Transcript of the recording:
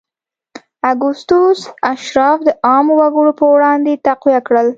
اګوستوس اشراف د عامو وګړو پر وړاندې تقویه کړل